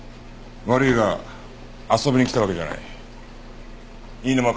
悪いが遊びに来たわけじゃない。